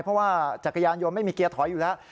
เพราะว่าจักรยานยนต์ไม่มีเกียร์ถอยอยู่แล้ว